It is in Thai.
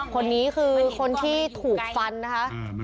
คนนี้คือคนที่ถูกฟันนะคะ